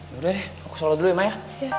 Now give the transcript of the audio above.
yaudah deh aku sholat dulu ya maya